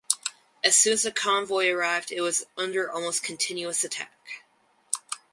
As soon as the convoy arrived it was under almost continuous attack.